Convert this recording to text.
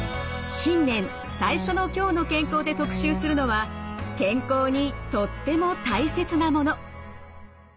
新年最初の「きょうの健康」で特集するのは健康にとっても大切なもの。